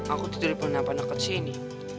aku tidur di penampanak kesini